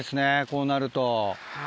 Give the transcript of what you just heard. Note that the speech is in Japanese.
こうなると。